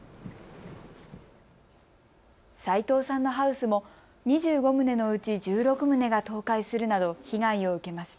斉藤さんのハウスも２５棟のうち１６棟が倒壊するなど被害を受けました。